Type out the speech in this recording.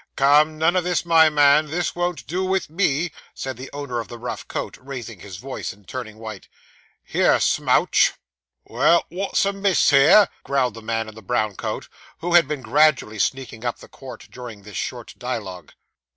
'Come, none of this, my man; this won't do with me,' said the owner of the rough coat, raising his voice, and turning white. 'Here, Smouch!' 'Well, wot's amiss here?' growled the man in the brown coat, who had been gradually sneaking up the court during this short dialogue.